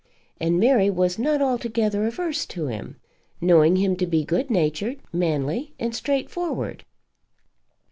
And Mary was not altogether averse to him, knowing him to be good natured, manly, and straightforward.